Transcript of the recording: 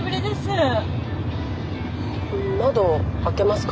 窓開けますか？